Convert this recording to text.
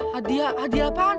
hadiah hadiah apaan